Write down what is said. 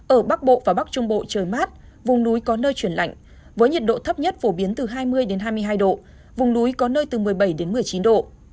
ở bắc bộ và bắc trung bộ trời mát vùng núi có nơi chuyển lạnh với nhiệt độ thấp nhất phổ biến từ hai mươi hai mươi hai độ vùng núi có nơi từ một mươi bảy một mươi chín độ